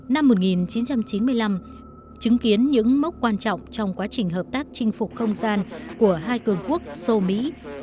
năm một nghìn chín trăm chín mươi năm chứng kiến những mốc quan trọng trong quá trình hợp tác chinh phục không gian của hai cường quốc sâu mỹ